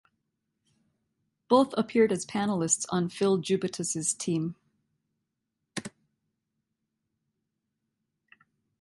Both appeared as panellists on Phill Jupitus' team.